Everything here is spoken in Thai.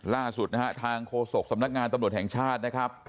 ล่าสุดนะฮะทางโฆษกสำนักงานตำรวจแห่งชาตินะครับ